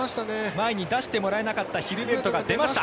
前に出してもらえなかったヒルベルトが出ました。